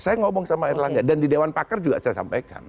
saya ngomong sama erlangga dan di dewan pakar juga saya sampaikan